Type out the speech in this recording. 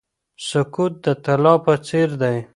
سکوت د طلا په څیر دی.